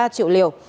bảy ba triệu liều